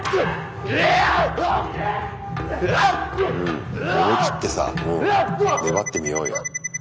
うん思いきってさ粘ってみようよ。